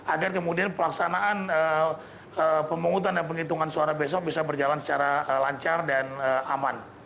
agar kemudian pelaksanaan pemungutan dan penghitungan suara besok bisa berjalan secara lancar dan aman